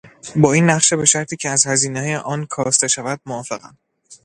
با این نقشه به شرطی که از هزینهی آن کاسته شود، موافقم.